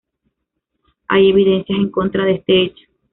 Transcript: Hay evidencias en contra de este hecho.